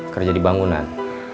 kerja di bangunan